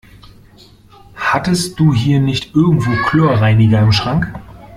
Hattest du hier nicht irgendwo Chlorreiniger im Schrank?